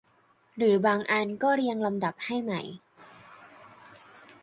หรือบางอันก็เรียงลำดับให้ใหม่